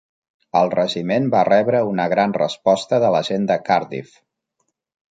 El regiment va rebre una gran resposta de la gent de Cardiff.